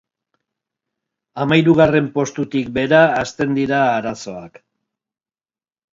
Hamahirugarren postutik behera hasten dira arazoak.